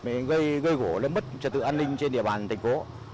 để gây gỗ lấy mất trật tự an ninh trên địa bàn thành phố